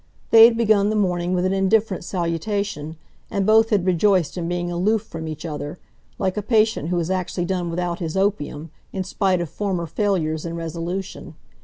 They had begun the morning with an indifferent salutation, and both had rejoiced in being aloof from each other, like a patient who has actually done without his opium, in spite of former failures in resolution.